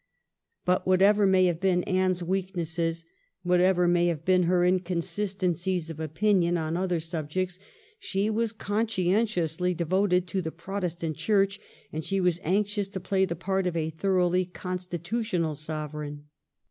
But whatever may have been Anne's weaknesses, whatever may have been her inconsistencies of opinion on other subjects, she was conscientiously devoted to the Protestant Church, and she was anxious to play the part of a thoroughly constitutional Sovereign.